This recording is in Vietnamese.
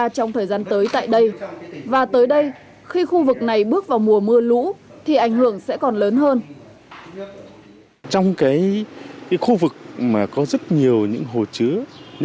trong thời gian tới tại đây và tới đây khi khu vực này bước vào mùa mưa lũ thì ảnh hưởng sẽ còn lớn hơn